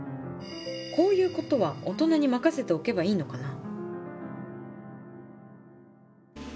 こういうことは大人に任せておけばいいのかな？